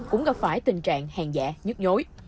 cũng gặp phải tình trạng hàng giả nhức nhối